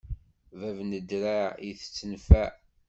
Bab n ddreɛ itett nnfeɛ.